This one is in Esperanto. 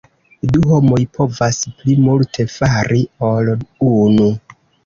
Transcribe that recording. Du homoj povas pli multe fari ol unu.